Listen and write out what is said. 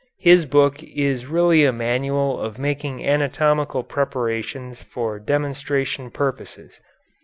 His book is really a manual of making anatomical preparations for demonstration purposes.